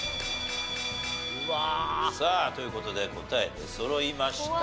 さあという事で答え出そろいました。